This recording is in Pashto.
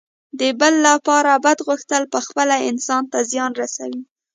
د بل لپاره بد غوښتل پخپله انسان ته زیان رسوي.